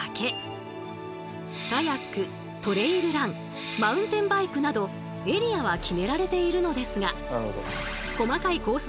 カヤックトレイルランマウンテンバイクなどエリアは決められているのですがこまかいコース